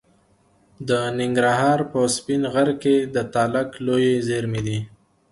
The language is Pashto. د ننګرهار په سپین غر کې د تالک لویې زیرمې دي.